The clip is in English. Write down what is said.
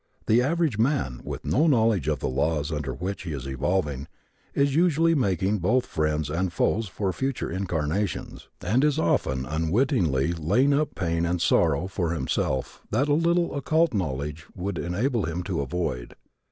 The average man, with no knowledge of the laws under which he is evolving, is usually making both friends and foes for future incarnations and is often unwittingly laying up pain and sorrow for himself that a little occult knowledge would enable him to avoid.